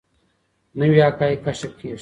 نوي حقایق کشف کیږي.